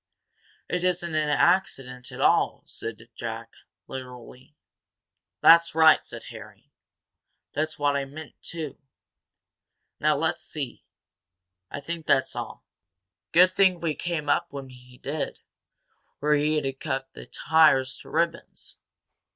"It isn't an accident at all," said Jack, literally. "That's right," said Harry. "That's what I meant, too. Now let's see. I think that's all. Good thing we came up when we did or he'd have cut the tires to ribbons.